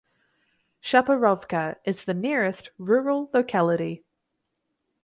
Shaparovka is the nearest rural locality.